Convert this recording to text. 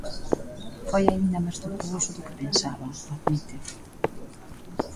Foi aínda máis tortuoso do que pensaba, admite.